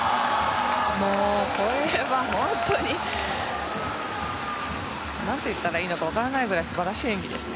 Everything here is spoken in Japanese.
これは本当に何と言ったらいいのか分からないぐらい素晴らしい演技です。